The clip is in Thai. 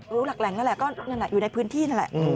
หลักแหล่งนั่นแหละก็นั่นแหละอยู่ในพื้นที่นั่นแหละ